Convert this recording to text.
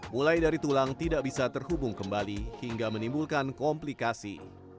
mulai dari tulang tidak bisa terhubung kembali hingga menimbulkan komplikasi